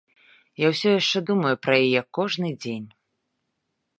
Я ўсё яшчэ думаю пра яе кожны дзень.